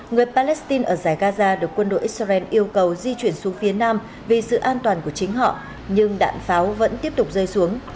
người palestine ở giải gaza được quân đội israel yêu cầu di chuyển xuống phía nam vì sự an toàn của chính họ nhưng đạn pháo vẫn tiếp tục rơi xuống